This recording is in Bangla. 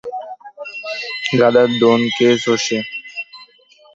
গাধার ধোন কে চোষে?